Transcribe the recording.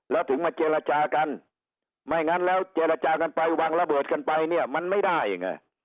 แล้วถึงมาเจรจากันไม่งั้นแล้วเจรจากันไปวางระเบิดกันไปเนี่ยมันไม่ได้ไง